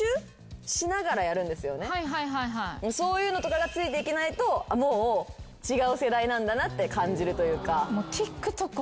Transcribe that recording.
そういうのとかがついていけないともう違う世代なんだなって感じるというか。